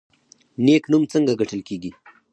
نیک نوم څنګه ګټل کیږي؟